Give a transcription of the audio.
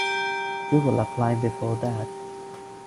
You will apply before that.